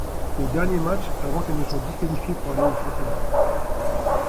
Au dernier match, avant qu’elles ne soient disqualifier pour aller au championnat.